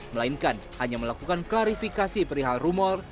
melainkan hanya melakukan klarifikasi perihal rumor